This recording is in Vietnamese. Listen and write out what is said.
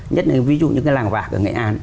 nhất là ví dụ những cái làng vạc ở nghệ an